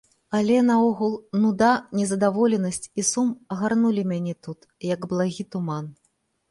Але, наогул, нуда, нездаволенасць і сум агарнулі мяне тут, як благі туман.